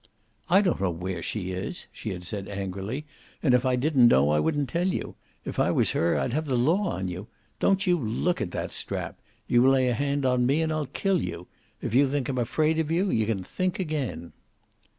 "I don't know where she is," she had said, angrily, "and if I did know I wouldn't tell you. If I was her I'd have the law on you. Don't you look at that strap. You lay a hand on me and I'll kill you. If you think I'm afraid of you, you can think again."